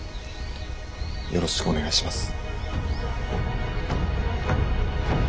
よろしくお願いします。